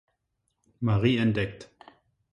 Marie entdeckt.